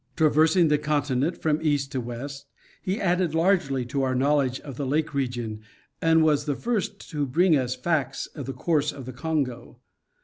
Traversing the continent from east to west, he added largely to our knowledge of the lake region and was the first to bring us facts of the course of the Congo.